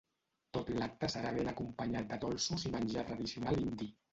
Tot l’acte serà ben acompanyat de dolços i menjar tradicional indi.